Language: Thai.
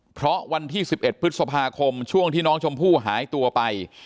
เพราะวันที่๑๑พฤษภาคมช่วงที่น้องชมพู่หายตัวไป